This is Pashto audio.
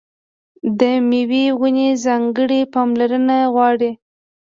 د مېوې ونې ځانګړې پاملرنه غواړي.